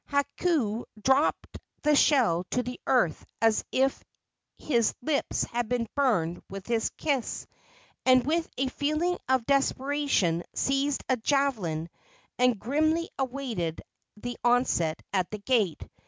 Hakau dropped the shell to the earth as if his lips had been burned with its kiss, and with a feeling of desperation seized a javelin and grimly awaited the onset at the gate.